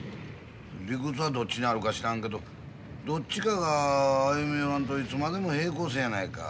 理屈はどっちにあるか知らんけどどっちかが歩み寄らんといつまでも平行線やないか。